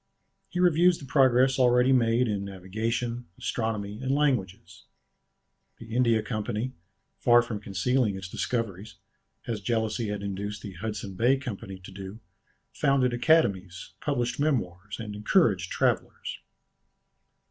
He reviews the progress already made in navigation, astronomy, and languages. The India Company, far from concealing its discoveries, as jealousy had induced the Hudson Bay Company to do, founded academies, published memoirs, and encouraged travellers.